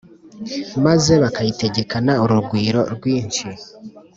maze bukayitegekana urugwiro rwinshi